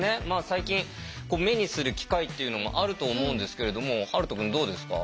最近目にする機会っていうのもあると思うんですけれども遥斗くんどうですか？